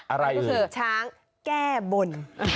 อะไรก็คือช้างแก้บน